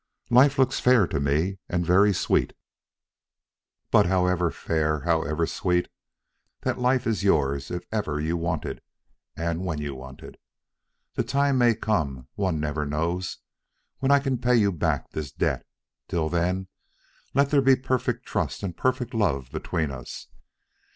Life looks fair to me and very sweet; but however fair, however sweet, that life is yours if ever you want it and when you want it. The time may come one never knows when I can pay you back this debt. Till then, let there be perfect trust and perfect love between us.